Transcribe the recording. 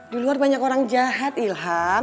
di luar banyak orang jahat ilham